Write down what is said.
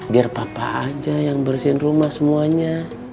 biar papa aja yang bersihin rumah semuanya